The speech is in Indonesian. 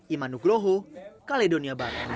iman nugloho kaledonia baru